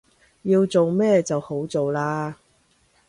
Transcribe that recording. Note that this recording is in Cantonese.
要做咩就好做喇